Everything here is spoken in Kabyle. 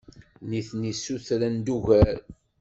Nitni ssutren-d ugar.